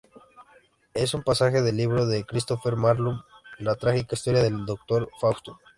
Es un pasaje del libro de Christopher Marlowe "La trágica historia del doctor Fausto.